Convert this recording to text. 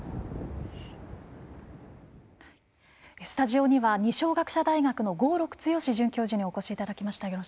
スタジオには二松學舍大学の合六強准教授にお越しいただきました。